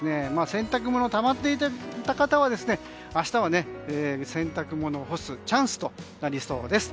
洗濯物がたまっていた方は明日は、洗濯物を干すチャンスとなりそうです。